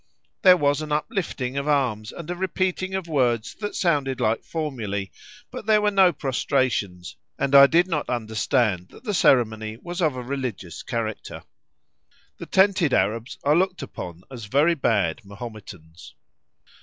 There was an uplifting of arms, and a repeating of words that sounded like formulæ, but there were no prostrations, and I did not understand that the ceremony was of a religious character. The tented Arabs are looked upon as very bad Mahometans.